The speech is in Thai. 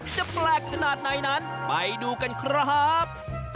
แปลกขนาดไหนนั้นไปดูกันครับ